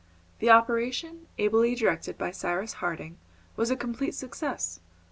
The operation, ably directed by Cyrus Harding, was a complete success.